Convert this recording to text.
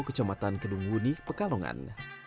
kecamatan kedungguni pekalongan